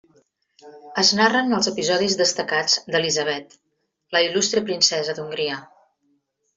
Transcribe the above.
Es narren els episodis destacats d'Elisabet, la il·lustre princesa d'Hongria.